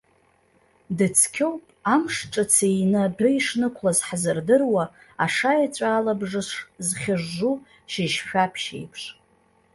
Дыцқьоуп амш, ҿыц иины адәы ишнықәлаз ҳзырдыруа ашаеҵәа алабжыш зхьыжжу шьыжьшәаԥшь еиԥш.